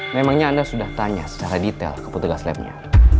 memangnya anda sudah tanya secara detail ke petugas labnya